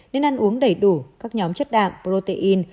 nên ăn uống đầy đủ các nhóm chất đạn protein